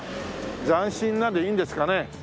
「斬新な」でいいんですかね？